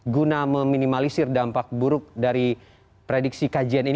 guna meminimalisir dampak buruk dari prediksi kajian ini